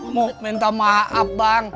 mau minta maaf bang